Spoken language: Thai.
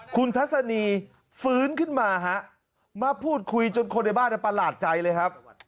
คุณทัศนีฟื้นขึ้นมาฮะมาพูดคุยจนคนในบ้านประหลาดใจเลยครับ